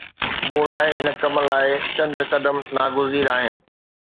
مون لاءِ، هن ڪم لاءِ چند قدم ناگزير آهن.